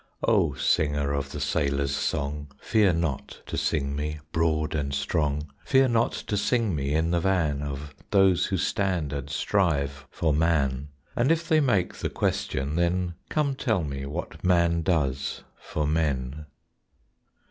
_ O singer of the sailor's song, Fear not to sing me broad and strong Fear not to sing me in the van Of those who stand and strive for man; And if they make the question, then Come tell me what man does for men.